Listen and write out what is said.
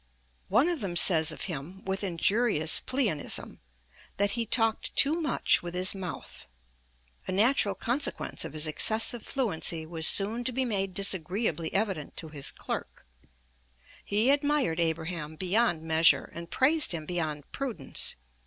One of them says of him with injurious pleonasm, that he "talked too much with his mouth." A natural consequence of his excessive fluency was soon to be made disagreeably evident to his clerk. He admired Abraham beyond measure, and praised him beyond prudence.